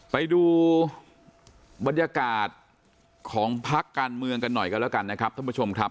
ไปดูบรรยากาศของพักการเมืองกันหน่อยกันแล้วกันนะครับท่านผู้ชมครับ